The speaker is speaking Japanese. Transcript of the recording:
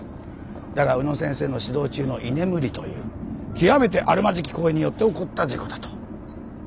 だが宇野先生の指導中の居眠りという極めてあるまじき行為によって起こった事故だと。